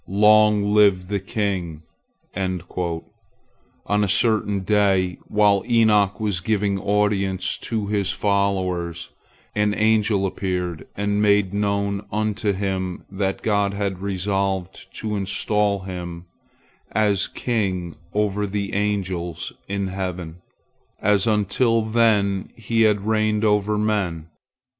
Long live the king!" On a certain day, while Enoch was giving audience to his followers, an angel appeared and made known unto him that God had resolved to install him as king over the angels in heaven, as until then he had reigned over men.